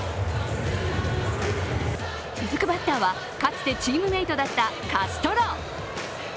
続くバッターはかつてチームメートだったカストロ。